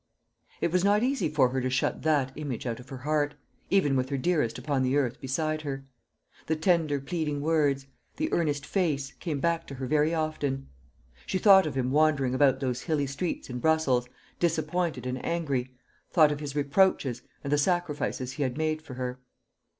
It was not easy for her to shut that image out of her heart, even with her dearest upon earth beside her. The tender pleading words, the earnest face, came back to her very often. She thought of him wandering about those hilly streets in Brussels, disappointed and angry: thought of his reproaches, and the sacrifices he had made for her.